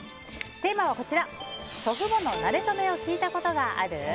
テーマは、祖父母のなれそめを聞いたことがある？